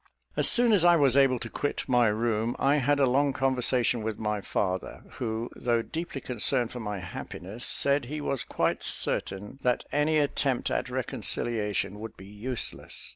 As soon as I was able to quit my room, I had a long conversation with my father, who, though deeply concerned for my happiness, said he was quite certain that any attempt at reconciliation would be useless.